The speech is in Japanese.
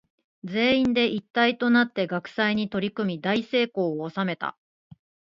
全員で一体となって学祭に取り組み大成功を収めた。